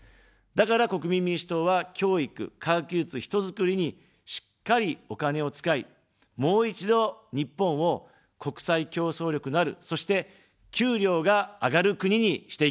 だから国民民主党は、教育、科学技術、人づくりに、しっかりお金を使い、もう一度、日本を、国際競争力のある、そして、給料が上がる国にしていきます。